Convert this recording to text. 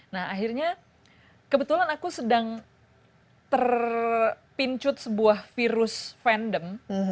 nah akhirnya kebetulan aku sedang terpincut sebuah virus fandom